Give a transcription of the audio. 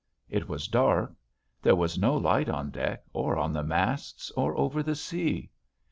It was dark. There was no light on deck or on the masts or over the sea.